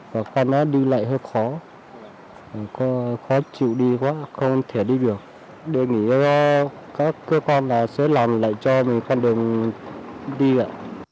bà con nó đi lại hơi khó khó chịu đi quá không thể đi được đề nghị các cơ quan sở lòng lại cho mình con đường đi ạ